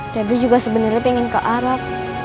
pebri juga sebenernya pengen ke arab